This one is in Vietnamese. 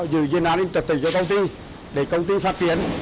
giữ dân án trật tự cho công ty để công ty phát triển